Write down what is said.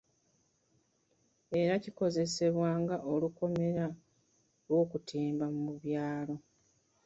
Era kikozesebwa nga olukomera lw'okutimba mu byalo.